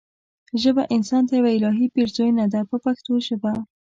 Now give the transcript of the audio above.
ژبه انسان ته یوه الهي پیرزوینه ده په پښتو ژبه.